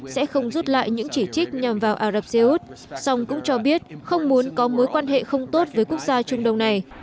sẽ không rút lại những chỉ trích nhằm vào ả rập xê út song cũng cho biết không muốn có mối quan hệ không tốt với quốc gia trung đông này